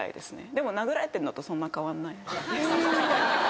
でも殴られてるのとそんな変わんない。